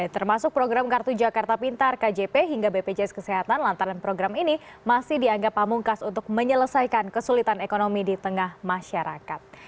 termasuk program kartu jakarta pintar kjp hingga bpjs kesehatan lantaran program ini masih dianggap pamungkas untuk menyelesaikan kesulitan ekonomi di tengah masyarakat